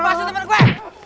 masih temen gue